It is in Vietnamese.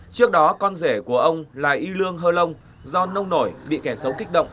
trước đó con rể của ông là y lương hơ long do nông nổi bị kẻ xấu kích động